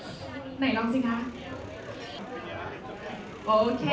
ไหนร้องสิคะ